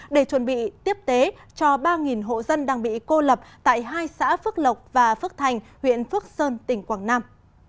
để chuẩn bị tiếp tế cho ba hộ dân đang bị cô lập tại hai xã phước lộc và phước thành huyện phước sơn tỉnh quảng nam